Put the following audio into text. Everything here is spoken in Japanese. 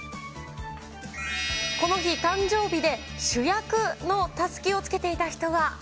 この日、誕生日で主役のたすきをつけていた人は。